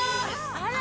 あら！